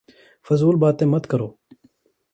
فضول باتیں مت کرو